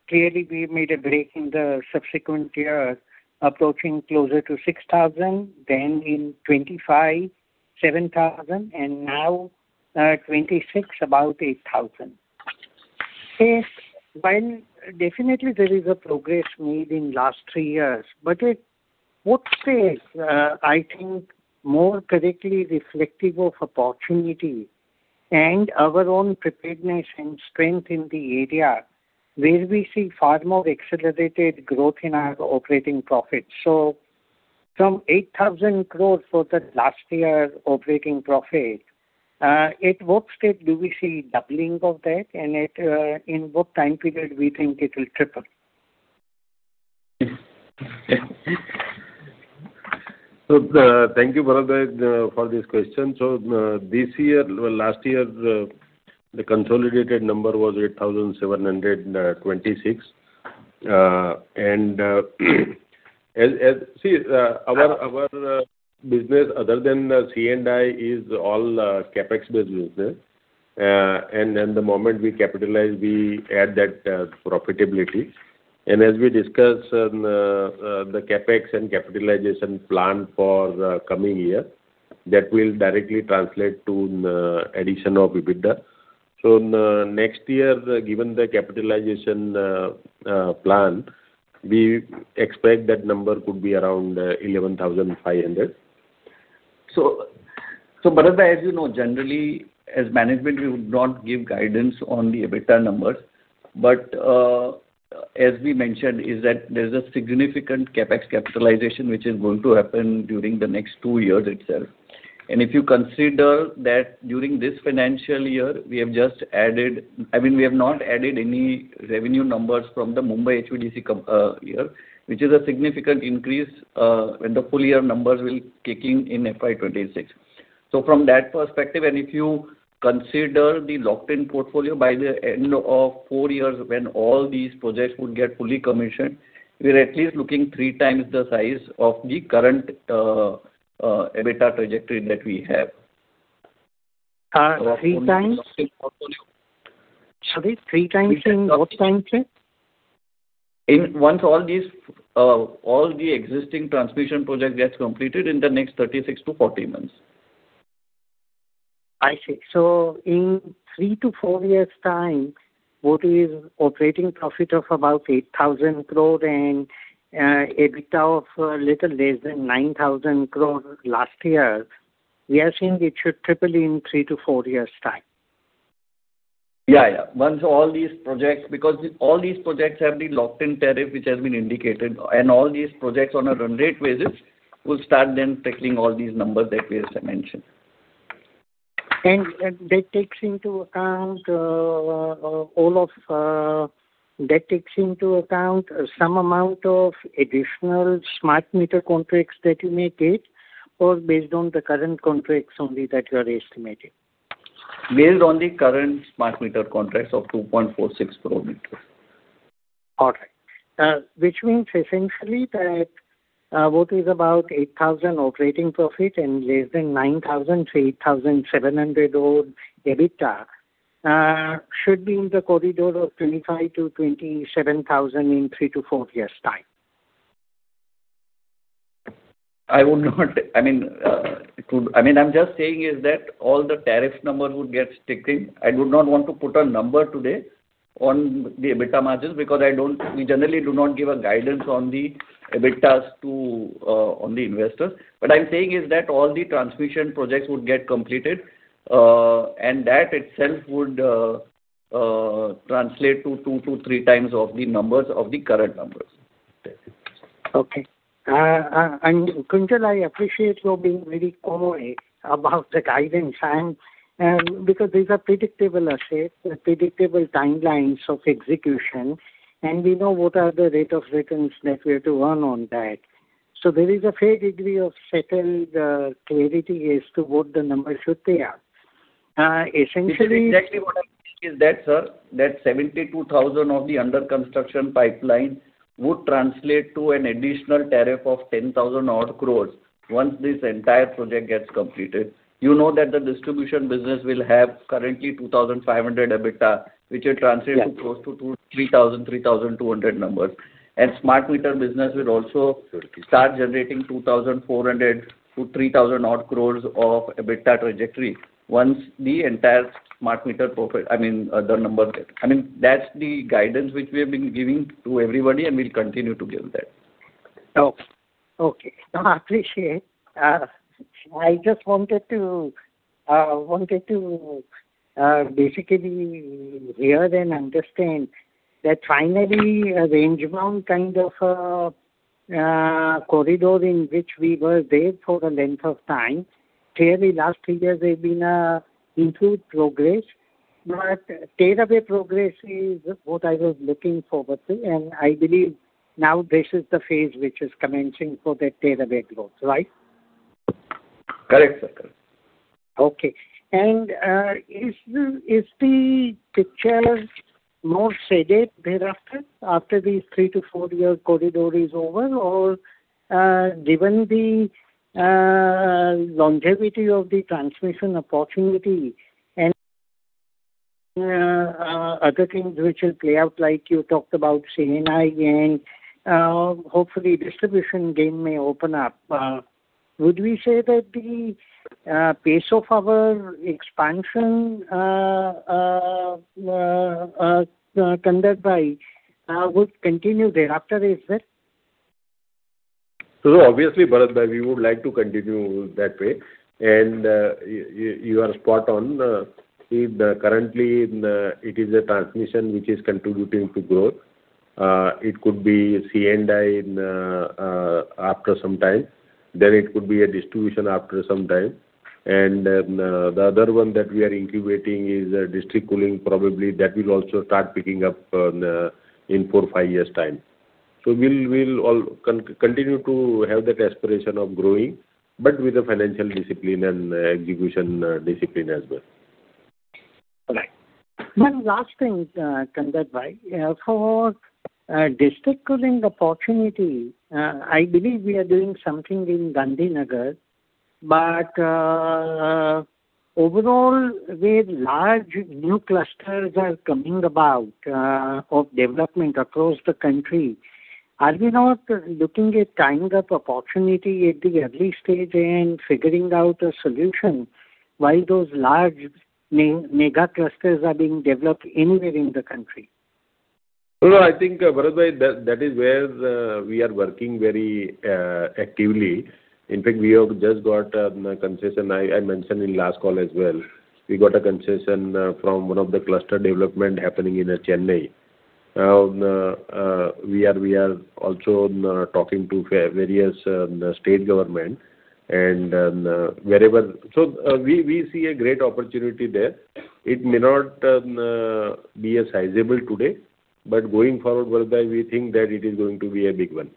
Speaker 12: Clearly we made a break in the subsequent years, approaching closer to 6,000, then in FY 2025, 7,000, and now, FY 2026, about 8,000. While definitely there is a progress made in last three years, but at what pace, I think more correctly reflective of opportunity and our own preparedness and strength in the area where we see far more accelerated growth in our operating profits. From 8,000 crore for the last year operating profit, at what stage do we see doubling of that and in what time period we think it will triple?
Speaker 3: Thank you, Bharat, for this question. This year, well, last year, the consolidated number was 8,726. See, our business other than C&I is all CapEx business. The moment we capitalize, we add that profitability. As we discuss the CapEx and capitalization plan for the coming year, that will directly translate to addition of EBITDA. Next year, given the capitalization plan, we expect that number could be around 11,500.
Speaker 6: Bharat, as you know, generally as management, we would not give guidance on the EBITDA numbers. As we mentioned is that there's a significant CapEx capitalization, which is going to happen during the next two years itself. If you consider that during this financial year, we have not added any revenue numbers from the Mumbai HVDC year, which is a significant increase when the full year numbers will kick in in FY 2026. From that perspective, and if you consider the locked-in portfolio by the end of four years, when all these projects would get fully commissioned, we're at least looking three times the size of the current EBITDA trajectory that we have.
Speaker 12: Three times? Sorry, three times in what time frame?
Speaker 6: Once all the existing transmission projects gets completed in the next 36-40 months.
Speaker 12: I see. In three to four years' time, with operating profit of about 8,000 crore and EBITDA of a little less than 9,000 crore last year, we are seeing it should triple in three to four years time.
Speaker 6: Yeah. Once all these projects, because all these projects have the locked-in tariff, which has been indicated, and all these projects on a run rate basis, will start then tackling all these numbers that we just mentioned.
Speaker 12: That takes into account some amount of additional Smart meter contracts that you may get or based on the current contracts only that you are estimating.
Speaker 6: Based on the current Smart meter contracts of 2.46 crore meters.
Speaker 12: All right. Which means essentially that what is about 8,000 operating profit and less than 9,000 to 8,700-odd EBITDA should be in the corridor of 25,000-27,000 in three to four years time.
Speaker 6: I would not, I mean, I'm just saying is that all the tariff number would get taken. I would not want to put a number today on the EBITDA margins because we generally do not give a guidance on the EBITDAs to the investors. What I'm saying is that all the transmission projects would get completed, and that itself would translate to 2x-3x of the numbers of the current numbers.
Speaker 12: Okay. Kunjal, I appreciate your being very coy about the guidance and because these are predictable assets, predictable timelines of execution, and we know what are the rate of returns that we have to earn on that. There is a fair degree of settled clarity as to what the numbers should be at.
Speaker 6: This is exactly what I think is that, sir, that 72,000 of the under construction pipeline would translate to an additional tariff of 10,000-odd crore once this entire project gets completed. You know that the distribution business will have currently 2,500 crore EBITDA, which will translate to close to 3,000, 3,200 numbers. Smart meter business will also start generating 2,400-3,000-odd crore of EBITDA trajectory once the entire Smart meter project, I mean, the numbers, I mean, that's the guidance which we have been giving to everybody and we'll continue to give that.
Speaker 12: Okay. No, I appreciate. I just wanted to basically hear and understand that finally, a range bound kind of a corridor in which we were there for a length of time. Clearly, last three years we've been into progress, but tail of a progress is what I was looking forward to, and I believe now this is the phase which is commencing for that tail of a growth, right?
Speaker 6: Correct.
Speaker 12: Okay. Is the picture more shaded thereafter, after these three to four-year corridor is over? Or given the longevity of the transmission opportunity and other things which will play out, like you talked about C&I again, hopefully distribution game may open up. Would we say that the pace of our expansion, Kandarp, would continue thereafter as well?
Speaker 3: Obviously, Bharat brother, we would like to continue that way, and you are spot on. Currently, it is the transmission which is contributing to growth. It could be C&I after some time. It could be a distribution after some time. The other one that we are incubating is district cooling, probably that will also start picking up in four, five years' time. We'll continue to have that aspiration of growing, but with a financial discipline and execution discipline as well.
Speaker 12: Correct. One last thing, Kandarp. For district cooling opportunity, I believe we are doing something in Gandhinagar. Overall, where large new clusters are coming about of development across the country, are we not looking at tying up opportunity at the early stage and figuring out a solution while those large mega clusters are being developed anywhere in the country?
Speaker 3: No, I think, Bharat brother, that is where we are working very actively. In fact, we have just got a concession. I mentioned in last call as well. We got a concession from one of the cluster development happening in Chennai. We are also talking to various state government and wherever. We see a great opportunity there. It may not be as sizable today, but going forward, Bharat brother, we think that it is going to be a big one.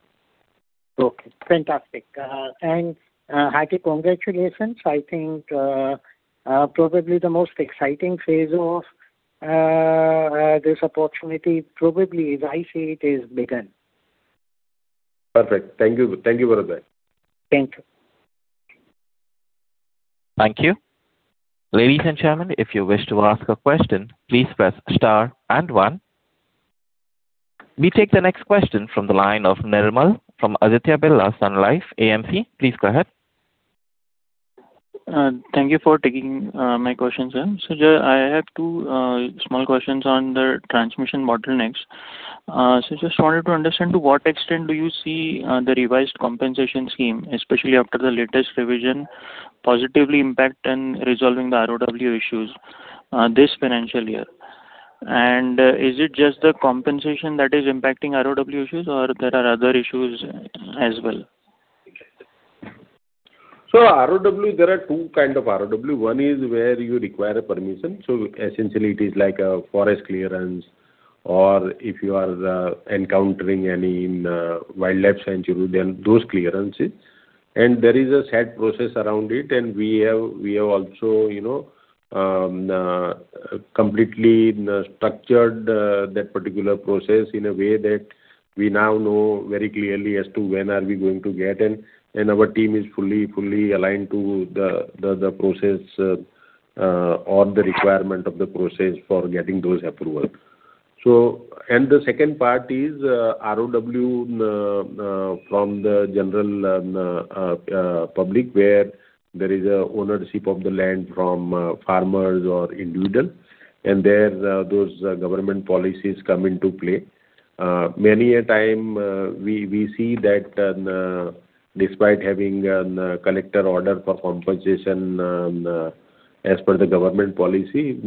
Speaker 12: Okay, fantastic. Hearty congratulations. I think probably the most exciting phase of this opportunity, probably as I see it, has begun.
Speaker 3: Perfect. Thank you, Bharat.
Speaker 12: Thank you.
Speaker 1: Thank you. Ladies and gentlemen, if you wish to ask a question, please press star and one. We take the next question from the line of Nirmal from Aditya Birla Sun Life AMC. Please go ahead.
Speaker 13: Thank you for taking my questions. I have two small questions on the transmission bottlenecks. Just wanted to understand to what extent do you see the revised compensation scheme, especially after the latest revision, positively impact in resolving the ROW issues this financial year? Is it just the compensation that is impacting ROW issues or there are other issues as well?
Speaker 3: ROW, there are two kind of ROW. One is where you require a permission, so essentially it is like a forest clearance or if you are encountering any wildlife sanctuary, then those clearances. There is a set process around it, and we have also completely structured that particular process in a way that we now know very clearly as to when are we going to get, and our team is fully aligned to the process or the requirement of the process for getting those approval. The second part is ROW from the general public, where there is a ownership of the land from farmers or individual, and there, those government policies come into play. Many a time we see that despite having a collector order for compensation as per the government policy,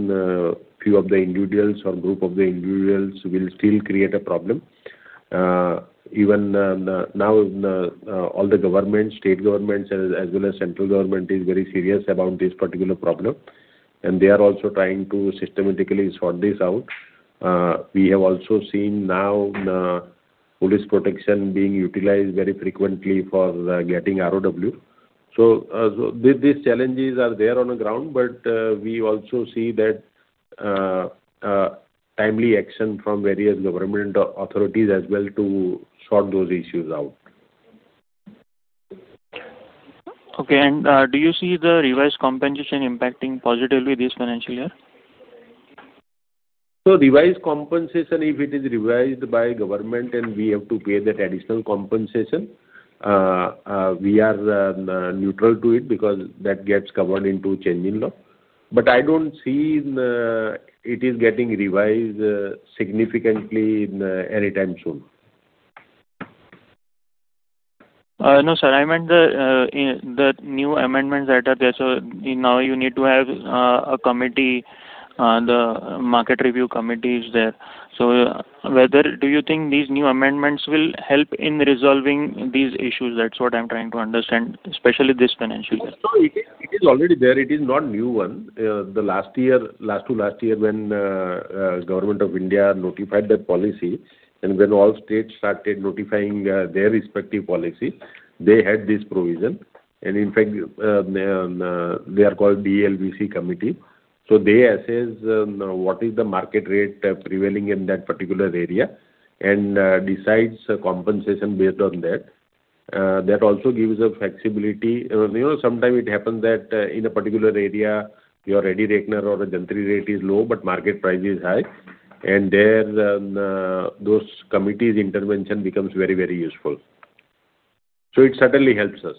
Speaker 3: few of the individuals or group of the individuals will still create a problem. Even now all the governments, state governments as well as central government, is very serious about this particular problem, and they are also trying to systematically sort this out. We have also seen now, police protection being utilized very frequently for getting ROW. These challenges are there on the ground, but we also see that timely action from various government authorities as well to sort those issues out.
Speaker 13: Okay. Do you see the revised compensation impacting positively this financial year?
Speaker 3: Revised compensation, if it is revised by government and we have to pay that additional compensation, we are neutral to it because that gets covered into change in law. I don't see it is getting revised significantly any time soon.
Speaker 13: No, sir. I meant the new amendments that are there. Now you need to have a committee, the market review committee is there. Whether do you think these new amendments will help in resolving these issues? That's what I'm trying to understand, especially this financial year.
Speaker 3: No, it is already there. It is not new one. The last two years when Government of India notified that policy, and when all states started notifying their respective policy, they had this provision. In fact, they are called DVC committee. They assess what is the market rate prevailing in that particular area and decides a compensation based on that. That also gives a flexibility. Sometimes it happens that in a particular area, your ready reckoner or a government rate is low, but market price is high. There, those committees intervention becomes very, very useful. It certainly helps us.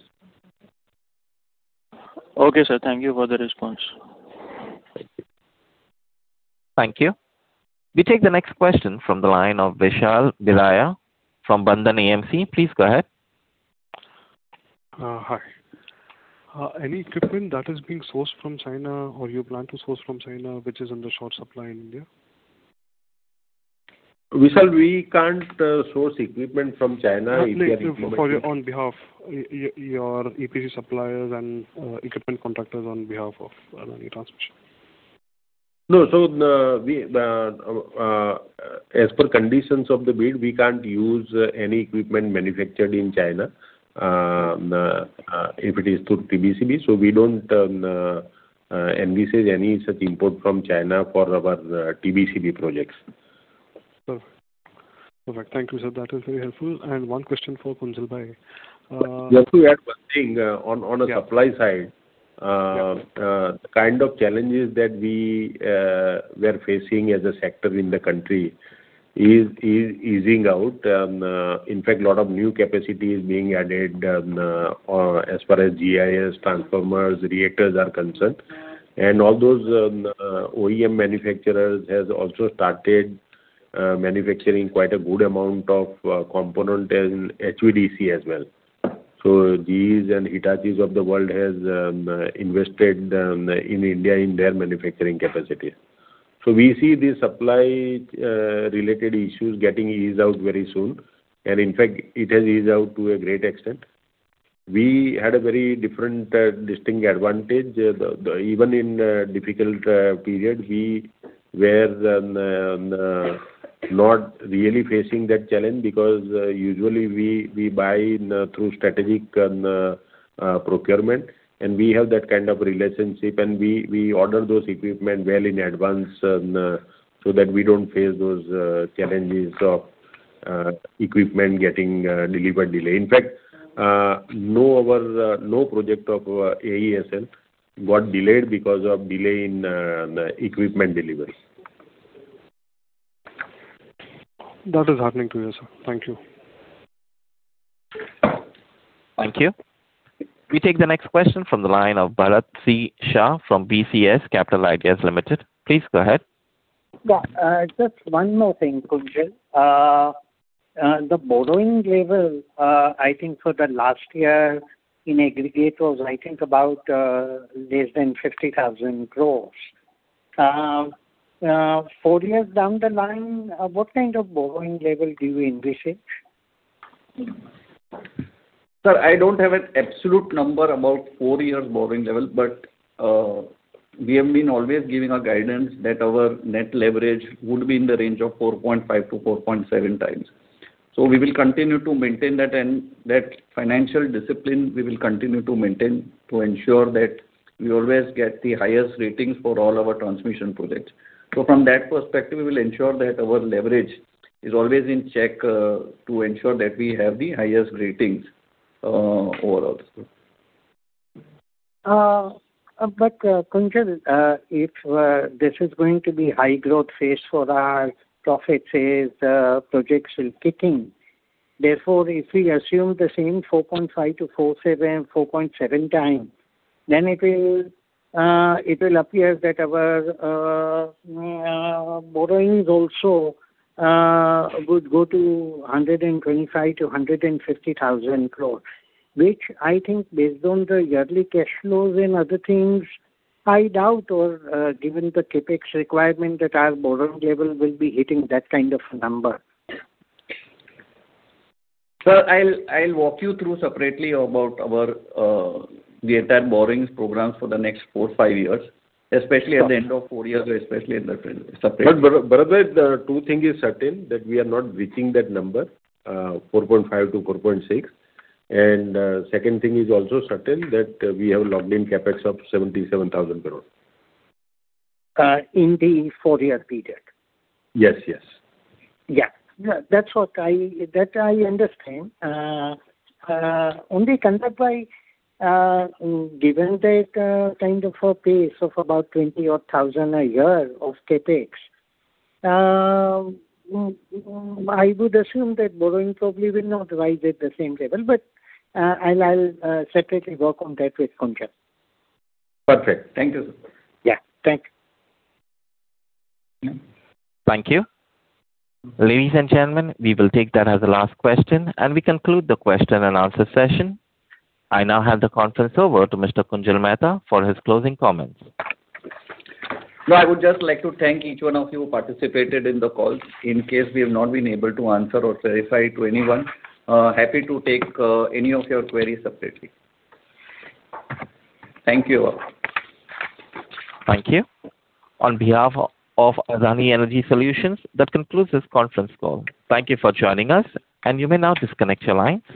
Speaker 13: Okay, sir. Thank you for the response.
Speaker 3: Thank you.
Speaker 1: Thank you. We take the next question from the line of Vishal Biraia from Bandhan AMC. Please go ahead.
Speaker 14: Hi. Any equipment that is being sourced from China or you plan to source from China, which is under short supply in India?
Speaker 3: Vishal, we can't source equipment from China if it is-
Speaker 14: Not on behalf of your EPC suppliers and equipment contractors on behalf of Adani Transmission.
Speaker 3: No. As per conditions of the bid, we can't use any equipment manufactured in China if it is through TBCB. We don't envisage any such import from China for our TBCB projects.
Speaker 14: Perfect. Thank you, sir. That was very helpful. One question for Kunjal.
Speaker 3: Let me add one thing on a supply side.
Speaker 14: Yeah.
Speaker 3: The kind of challenges that we are facing as a sector in the country is easing out. In fact, lot of new capacity is being added as far as GIS, transformers, reactors are concerned. All those OEM manufacturers has also started manufacturing quite a good amount of component as in HVDC as well. GEs and Hitachis of the world has invested in India in their manufacturing capacity. We see the supply related issues getting eased out very soon. In fact, it has eased out to a great extent. We had a very different distinct advantage. Even in difficult period, we were not really facing that challenge because usually we buy through strategic procurement, and we have that kind of relationship, and we order those equipment well in advance so that we don't face those challenges of equipment getting delivery delay. In fact, no project of AESL got delayed because of delay in the equipment delivery.
Speaker 14: That is happening to you, sir. Thank you.
Speaker 1: Thank you. We take the next question from the line of Bharat Shah from BCS Capital Ideas Limited. Please go ahead.
Speaker 12: Yeah. Just one more thing, Kunjal. The borrowing level, I think for the last year in aggregate was, I think about less than 50,000 crore. Four years down the line, what kind of borrowing level do you envision?
Speaker 6: Sir, I don't have an absolute number about four years borrowing level, but we have been always giving a guidance that our net leverage would be in the range of 4.5x-4.7x. We will continue to maintain that financial discipline, we will continue to maintain to ensure that we always get the highest ratings for all our transmission projects. From that perspective, we will ensure that our leverage is always in check to ensure that we have the highest ratings overall.
Speaker 12: Kunjal, if this is going to be high growth phase for our profit shares projects will kick in. Therefore, if we assume the same 4.5x-4.7x, then it will appear that our borrowings also would go to 125,000-150,000 crore. Which I think based on the yearly cash flows and other things, I doubt, or given the CapEx requirement that our borrowing level will be hitting that kind of number.
Speaker 6: Sir, I'll walk you through separately about our debt and borrowings programs for the next four, five years, especially at the end of four years.
Speaker 3: Bharat, two thing is certain that we are not reaching that number, 4.5 to 4.6. Second thing is also certain that we have locked in CapEx of 77,000 crore.
Speaker 12: In the four-year period?
Speaker 3: Yes, yes.
Speaker 12: Yeah. That I understand. Only Kunjal Bhai, given that kind of a pace of about 20,000 a year of CapEx, I would assume that borrowing probably will not rise at the same level, but I'll separately work on that with Kunjal.
Speaker 6: Perfect. Thank you, sir.
Speaker 12: Yeah. Thanks.
Speaker 1: Thank you. Ladies and gentlemen, we will take that as the last question, and we conclude the question and answer session. I now hand the conference over to Mr. Kunjal Mehta for his closing comments.
Speaker 6: No, I would just like to thank each one of you who participated in the call. In case we have not been able to answer or verify to anyone, happy to take any of your queries separately. Thank you all.
Speaker 1: Thank you. On behalf of Adani Energy Solutions, that concludes this conference call. Thank you for joining us, and you may now disconnect your line.